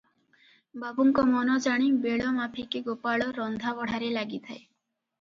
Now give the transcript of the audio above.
ବାବୁଙ୍କ ମନ ଜାଣି ବେଳ ମାଫିକେ ଗୋପାଳ ରନ୍ଧା ବଢ଼ାରେ ଲାଗିଥାଏ ।